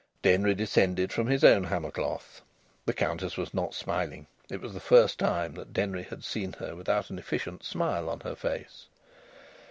Denry descended from his own hammercloth. The Countess was not smiling. It was the first time that Denry had ever seen her without an efficient smile on her face.